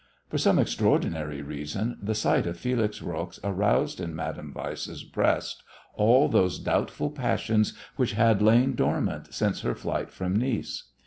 For some extraordinary reason the sight of Felix Roques aroused in Madame Weiss's breast all those doubtful passions which had lain dormant since her flight from Nice.